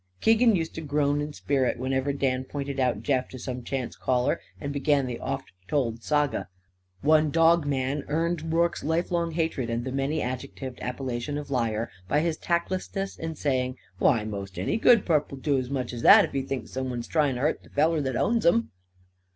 Keegan used to groan in spirit whenever Dan pointed out Jeff to some chance caller and began the oft told saga. One dog man earned Rorke's lifelong hatred and the many adjectived appellation of liar by his tactlessness in saying: "Why, most any good purp will do as much as that; if he thinks someone's trying to hurt the feller that owns him."